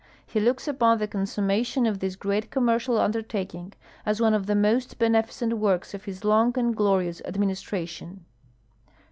He looks upon the consummation of this great commercial undertaking as one of the most benefi cent works of his long and glorious administration.